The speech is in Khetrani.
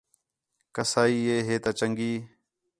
کسائی ہے ہے تا چنڳی